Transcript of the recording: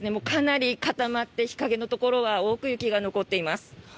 かなり固まって日陰のところは多く雪が残っています。